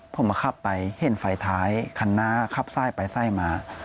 ผมมาขับไปเห็นไฟท้ายคันหน้าขับไส้ไปไส้มา